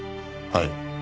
はい。